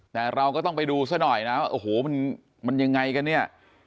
แต่เราก็ต้องไปดูซะหน่อยนะว่าโอ้โหมันยังไงกันเนี่ย